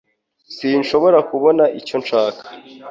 Sinshobora kubona icyo nshaka